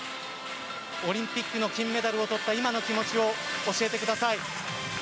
オリンピックの金メダルをとった今の気持ちを教えてください。